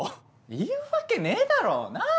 言うわけねぇだろなぁ？